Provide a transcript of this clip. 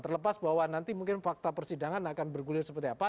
terlepas bahwa nanti mungkin fakta persidangan akan bergulir seperti apa